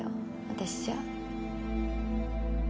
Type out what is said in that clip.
私じゃ。